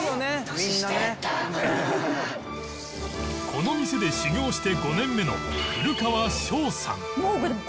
この店で修業して５年目の古川憧さん